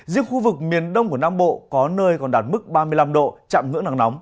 riêng khu vực miền đông của nam bộ có nơi còn đạt mức ba mươi năm độ chạm ngưỡng nắng nóng